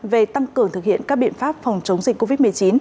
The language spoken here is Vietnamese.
về tăng cường thực hiện các biện pháp phòng chống dịch covid một mươi chín